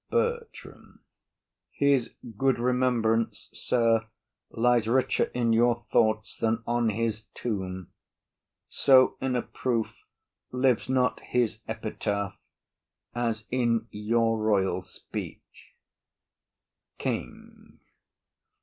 BERTRAM. His good remembrance, sir, Lies richer in your thoughts than on his tomb; So in approof lives not his epitaph As in your royal speech. KING.